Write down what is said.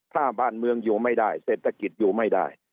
ถ้าบ้านเมืองอยู่ไม่ได้เศรษฐกิจอยู่ไม่ได้